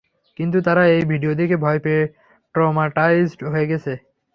কিন্তু তারা এই ভিডিও দেখে ভয় পেয়ে ট্রমাটাইজড হয়ে গেছে!